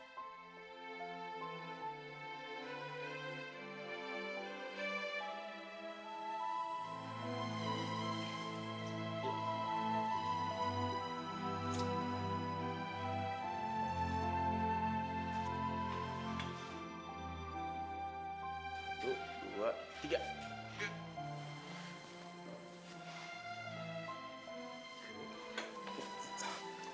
satu dua tiga